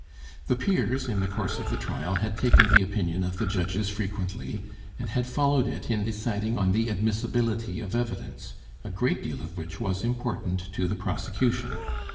The Peers in the course of the trial had taken the opinion of the judges frequently, and had followed it in deciding on the admissibility of evidence, a great deal of which was important to the prosecution.